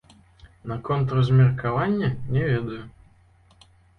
Наконт размеркавання, не ведаю.